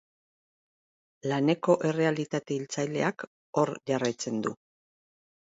Laneko errealitate hiltzaileak hor jarraitzen du.